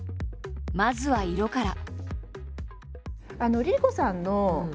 まずは色から。